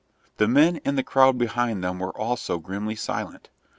The men in the crowd behind them were also grimly silent.